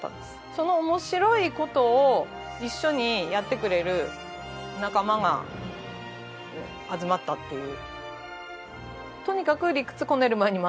その面白いことを一緒にやってくれる仲間が集まったっていう。